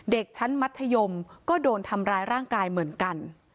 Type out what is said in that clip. เด็กชั้นมัธยมก็โดนทำร้ายร่างกายเหมือนกัน